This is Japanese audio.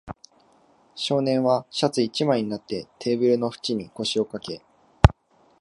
少年はシャツ一枚になって、テーブルの縁に腰をかけ、